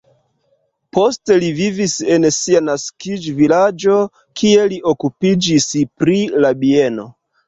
Poste li vivis en sia naskiĝvilaĝo, kie li okupiĝis pri la bieno.